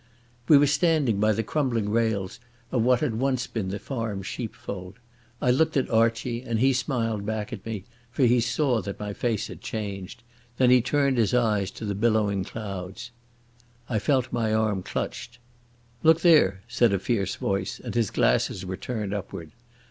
We were standing by the crumbling rails of what had once been the farm sheepfold. I looked at Archie and he smiled back at me, for he saw that my face had changed. Then he turned his eyes to the billowing clouds. I felt my arm clutched. "Look there!" said a fierce voice, and his glasses were turned upward.